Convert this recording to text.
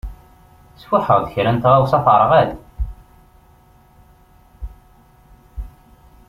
Sfuḥeɣ-d kra n tɣawsa teṛɣa-d.